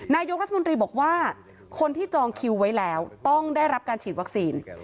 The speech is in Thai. นายกรัฐมนตรีบอกว่าคนที่จองคิวไว้แล้วต้องได้รับการฉีดวัคซีน